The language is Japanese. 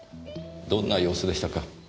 どんな様子でしたか？